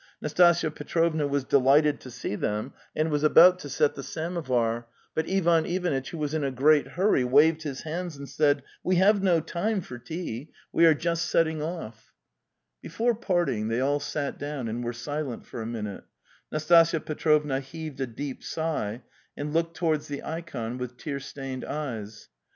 Nastasya Petrovna was delighted to see them, and was about to set the samo var; but Ivan Ivanitch, who was in a great hurry, waved his hans and said: '"We have no time for tea! We are just setting Of. | Before parting they all sat down and were silent for a minute. Nastasya Petrovna heaved a deep sigh and looked towards the ikon with tear stained eyes.